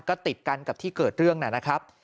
ก็ติดกันกับที่เกิดเรื่องนะครับ